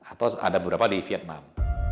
atau ada beberapa di vietnam